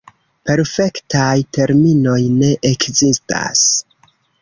Perfektaj terminoj ne ekzistas.